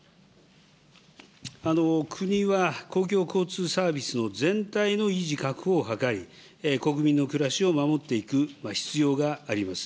国は、公共交通サービスの全体の維持確保を図り、国民の暮らしを守っていく必要があります。